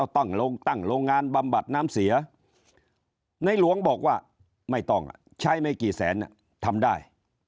ตั้งโรงงานบำบัดน้ำเสียในหลวงบอกว่าไม่ต้องใช้ไม่กี่แสนทำได้